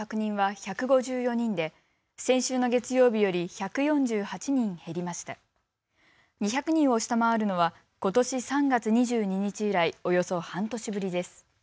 ２００人を下回るのはことし３月２２日以来、およそ半年ぶりです。